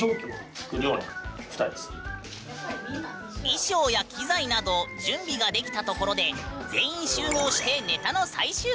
衣装や機材など準備ができたところで全員集合してネタの最終確認！